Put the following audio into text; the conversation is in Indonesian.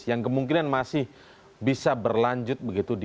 yang kemungkinan masih bisa berlanjut begitu di dua ribu delapan belas